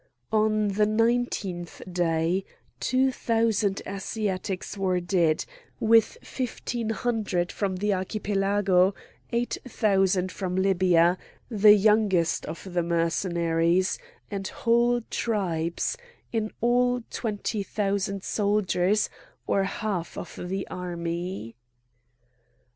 On the nineteenth day two thousand Asiatics were dead, with fifteen hundred from the Archipelago, eight thousand from Libya, the youngest of the Mercenaries and whole tribes—in all twenty thousand soldiers, or half of the army.